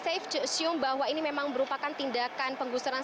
saya juga berhasil mengasumkan bahwa ini memang berupakan tindakan penggusuran